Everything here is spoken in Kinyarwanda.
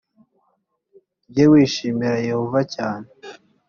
ujye wishimira yehova cyane